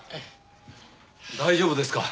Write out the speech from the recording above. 大丈夫ですか？